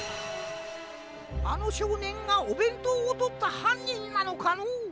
あのしょうねんがおべんとうをとったはんにんなのかのう？